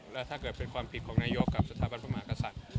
และถ้าเกิดเป็นความผิดของนายกกับสถาบันพระมหากษัตริย์